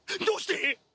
どうして？